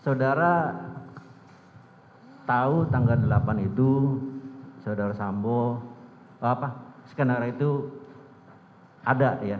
saudara tahu tanggal delapan itu saudara sambo skenario itu ada ya